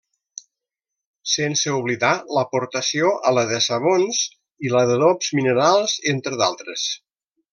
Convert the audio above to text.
Sense oblidar l'aportació a la de sabons i la d'adobs minerals, entre d'altres.